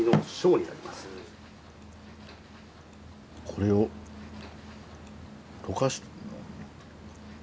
これを溶かして。